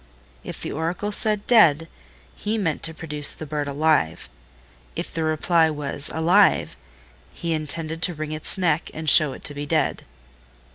If the Oracle said "dead," he meant to produce the bird alive: if the reply was "alive," he intended to wring its neck and show it to be dead.